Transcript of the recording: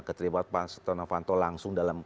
keterlibatan pak setonavanto langsung dalam